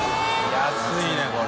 安いねこれ。